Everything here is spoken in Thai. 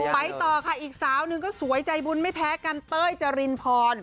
ไปต่อค่ะอีกสาวหนึ่งก็สวยใจบุญไม่แพ้กันเต้ยจรินพร